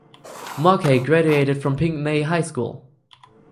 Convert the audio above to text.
Markey graduated from Pinckney High School.